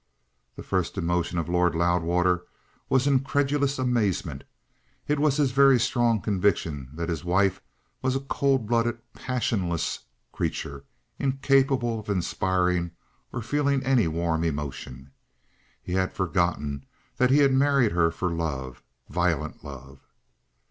The first emotion of Lord Loudwater was incredulous amazement. It was his very strong conviction that his wife was a cold blooded, passionless creature, incapable of inspiring or feeling any warm emotion. He had forgotten that he had married her for love violent love.